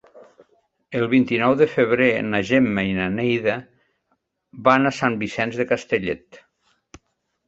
El vint-i-nou de febrer na Gemma i na Neida van a Sant Vicenç de Castellet.